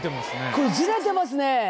これずれてますね。